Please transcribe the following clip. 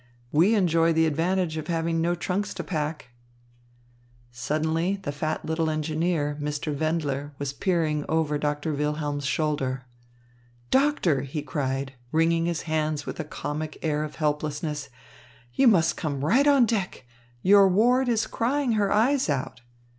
We enjoy the advantage of having no trunks to pack." Suddenly the fat little engineer, Mr. Wendler, was peering over Doctor Wilhelm's shoulder. "Doctor," he cried, wringing his hands with a comic air of helplessness, "you must come right on deck. Your ward is crying her eyes out."